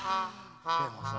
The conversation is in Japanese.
でもさ